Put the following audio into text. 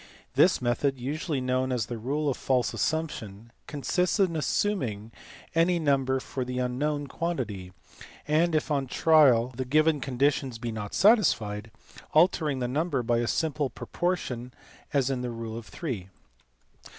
This method, usually known as the ride of false assumption, consists in assuming any number for the unknown quantity, and, if on trial the given conditions be not satisfied, altering the number by a simple proportion as in rule of three.